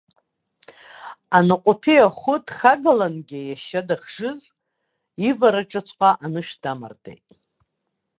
Анаҟәаԥиа ахәы дхагалангьы иашьа дахьжыз ивараҿыҵәҟьа анышә дамардеит.